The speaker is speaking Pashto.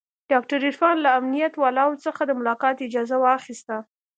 ډاکتر عرفان له امنيت والاو څخه د ملاقات اجازه واخيسته.